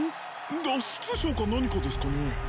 脱出ショーか何かですかね